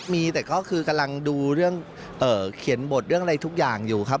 มีแต่ก็คือกำลังดูเรื่องเขียนบทเรื่องอะไรทุกอย่างอยู่ครับ